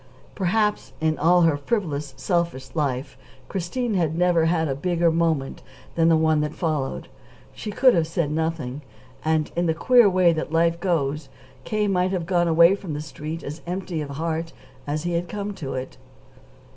Perhaps, in all her frivolous, selfish life, Christine had never had a bigger moment than the one that followed. She could have said nothing, and, in the queer way that life goes, K. might have gone away from the Street as empty of heart as he had come to it.